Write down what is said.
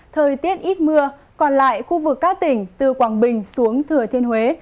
thời tiết ít mưa còn lại khu vực các tỉnh từ quảng bình xuống thừa thiên huế